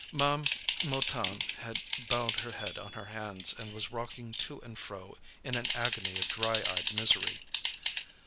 Ma'am Mouton had bowed her head on her hands, and was rocking to and fro in an agony of dry eyed misery.